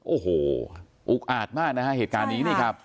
โอ้โหอุกอาจมากนะฮะเหตุการณ์นี้นี่ครับ